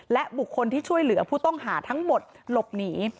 และบุคคลที่ช่วยเหลือผู้ต้องหาทั้งหมดหลบหนี